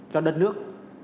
cho đất nước